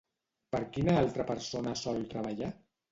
Per quina altra persona sol treballar?